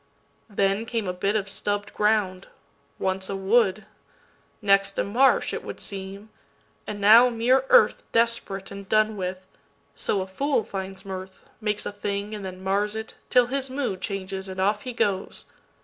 Then came a bit of stubb'd ground, once a wood, Next a marsh, it would seem, and now mere earthDesperate and done with; (so a fool finds mirth, Makes a thing and then mars it, till his moodChanges and off he goes!)